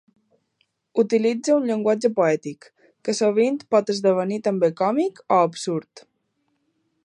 Utilitza un llenguatge poètic, que sovint pot esdevenir també còmic o absurd.